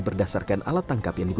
mereka berhubungan dengan pemain hijau